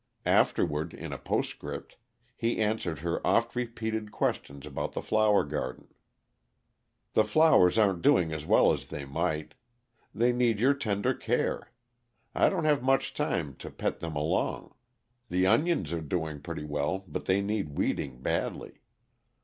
Afterward, in a postscript, he answered her oft repeated questions about the flower garden: The flowers aren't doing as well as they might. They need your tender care. I don't have much time to pet them along. The onions are doing pretty well, but they need weeding badly.